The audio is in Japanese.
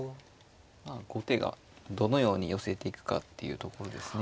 まあ後手がどのように寄せていくかっていうところですね。